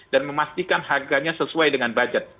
dan memastikan harganya sesuai dengan budget